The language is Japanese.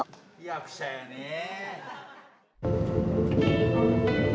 役者やねえ。